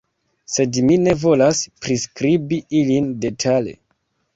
Sed mi ne volas priskribi ilin detale.